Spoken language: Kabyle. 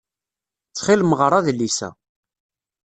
Ttxil-m ɣeṛ adlis-a.